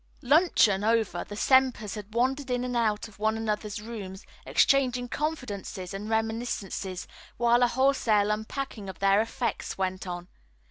Luncheon over, the Sempers had wandered in and out of one another's rooms, exchanging confidences and reminiscences, while a wholesale unpacking of their effects went on.